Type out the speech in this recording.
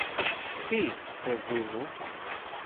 Τι, παιδί μου;